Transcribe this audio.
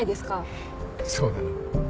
そうだな。